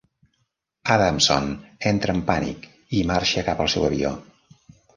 Adamson entra en pànic i marxa cap al seu avió.